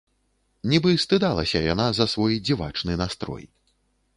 Нібы стыдалася яна за свой дзівачны настрой.